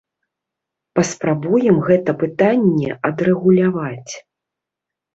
Паспрабуем гэта пытанне адрэгуляваць.